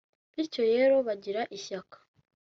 bityo rero bagira ishyaka